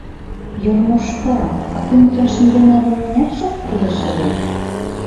— Йормошка, а кумытын шындена гын, мыняр жап кӱлеш ыле?